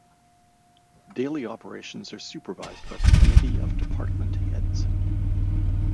Daily operations are supervised by the Committee of Department heads.